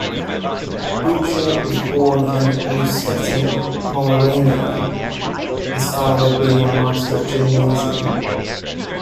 Bucher was born in Neustettin, Pomerania, his father being master at a gymnasium.